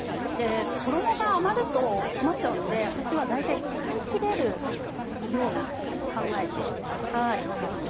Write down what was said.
衣が余ると困っちゃうので私は大体使い切れる量に最初から。